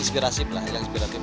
itu dikasih kaosnya yang berkualitas